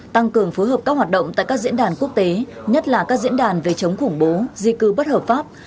tăng cường phối hợp các hoạt động tại các diễn đàn quốc tế nhất là các diễn đàn về chống khủng bố di cư bất hợp pháp